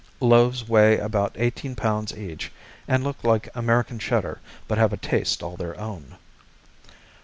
Loaves weigh about eighteen pounds each and look like American Cheddar but have a taste all their own.